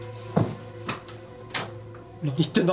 何言ってんだ？